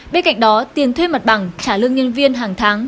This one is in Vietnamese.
bên cạnh đó tiền thuê mặt bằng trả lương nhân viên hàng tháng